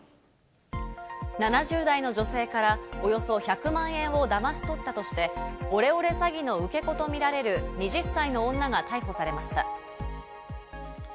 ７０代の女性からおよそ１００万円をだまし取ったとして、オレオレ詐欺の受け子とみられる２０歳の女が逮捕されました。